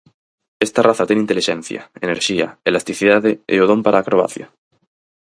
Esta raza ten intelixencia, enerxía, elasticidade e o don para a acrobacia.